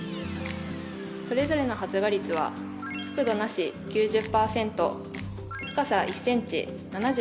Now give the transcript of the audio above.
それぞれの発芽率は覆土なし９０％深さ１ｃｍ７８％